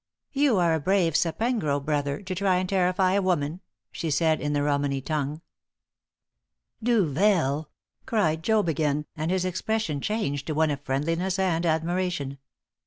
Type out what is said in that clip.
"You are a brave Sapengro, brother, to try and terrify a woman!" she said, in the Romany tongue. "Duvel!" cried Job again, and his expression changed to one of friendliness and admiration.